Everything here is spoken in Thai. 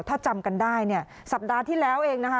ถ้าจำกันได้เนี่ยสัปดาห์ที่แล้วเองนะคะ